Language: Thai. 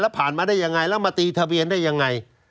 ผ่านมาได้ยังไงแล้วมาตีทะเบียนได้ยังไง